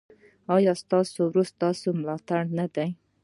ایا ستاسو ورور ستاسو ملاتړ نه دی؟